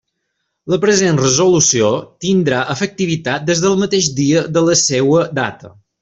La present resolució tindrà efectivitat des del mateix dia de la seua data.